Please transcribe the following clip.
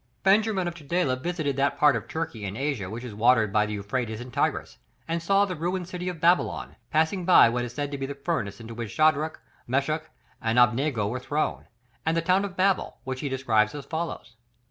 Benjamin of Tudela visited that part of Turkey in Asia which is watered by the Euphrates and Tigris, and saw the ruined city of Babylon, passing by what is said to be the furnace into which Shadrach, Meshach, and Abednego were thrown, and the tower of Babel, which he describes as follows.